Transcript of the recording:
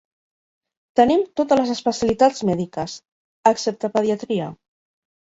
Tenim totes les especialitats mèdiques, excepte pediatria.